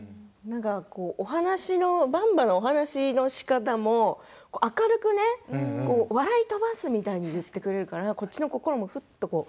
ばんばのお話のしかたも明るくね、笑い飛ばすみたいに言ってくれるからこっちの心もふっと、こう。